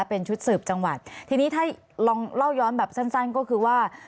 เป็นชุดสืบจังหวัดทีนี้ถ้าลองเล่าย้อนแบบสั้นสั้นก็คือว่า